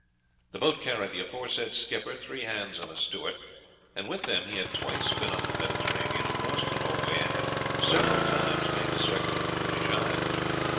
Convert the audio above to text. The boat carried the aforesaid skipper, three hands, and a steward, and with them he had twice been up the Mediterranean, across to Norway, and had several times made the circuit of the British Isles.